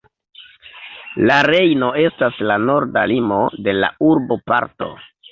La Rejno estas la norda limo de la urboparto.